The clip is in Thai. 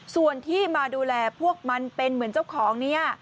ส่วนที่มาดูแลพวกมันเป็นเหมือนเจ้าของเนี่ย